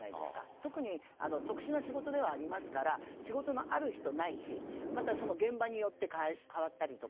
特に特殊な仕事ではありますから仕事のある人ない日やまた、現場によって変わったりとか。